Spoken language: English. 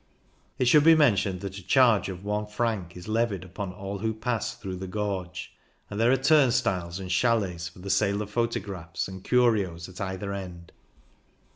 It should be mentioned that a charge of one franc is levied upon all who pass through the gorge, and there are turnstiles and chAlets for the sale of photographs and curios at either end.